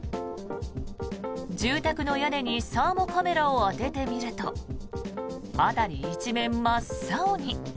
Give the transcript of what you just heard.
住宅の屋根にサーモカメラを当ててみると辺り一面真っ青に。